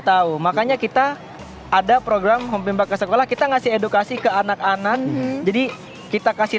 tahu makanya kita ada program hompimbar ke sekolah kita ngasih edukasi ke anak anak jadi kita kasih